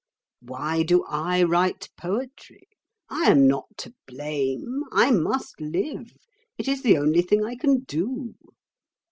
Why do I write poetry? I am not to blame. I must live. It is the only thing I can do.